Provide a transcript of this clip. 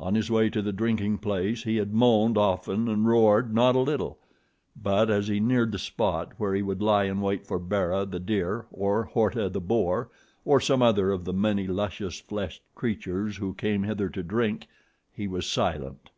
On his way to the drinking place he had moaned often and roared not a little; but as he neared the spot where he would lie in wait for Bara, the deer, or Horta, the boar, or some other of the many luscious fleshed creatures who came hither to drink, he was silent.